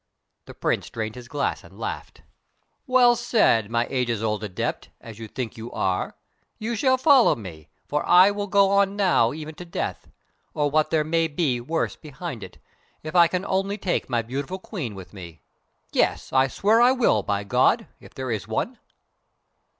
The Prince drained his glass and laughed. "Well said, my ages old adept, as you think you are! You shall follow me, for I will go on now even to death, or what there may be worse behind it, if I can only take my beautiful Queen with me. Yes, I swear I will, by God if there is one!"